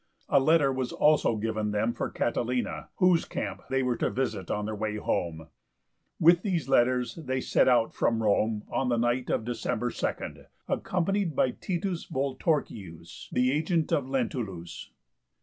A letter was also given them for Catilina, whose camp they were to visit on their way home. With these letters they set out from Rome on the night of December 2, accompanied by T. Volturcius, the agent of Lentulus.